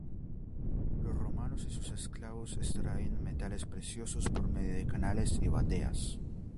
Los romanos y sus esclavos extraían metales preciosos por medio de canales y bateas.